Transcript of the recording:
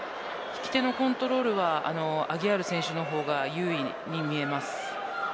引き手のコントロールはアギアール選手のほうが優位に見えます。